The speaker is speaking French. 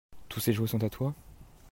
Tous ces jouets sont à toi ?